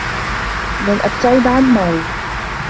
لن أبتعد عن ماري.